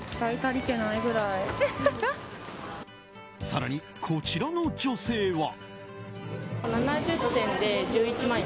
更に、こちらの女性は。